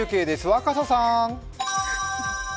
若狭さん！